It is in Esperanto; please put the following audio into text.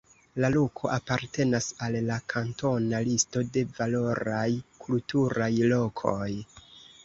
La loko apartenas al la kantona listo de valoraj kulturaj lokoj.